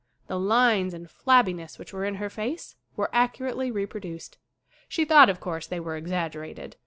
The lines and flabbiness which were in her face were accurately reproduced. She thought, of course, they were exaggerated.